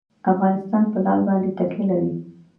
افغانستان په لعل باندې تکیه لري.